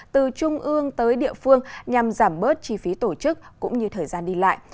từ trung ương tới địa phương nhằm giảm bớt chi phí tổ chức cũng như thời gian đi lại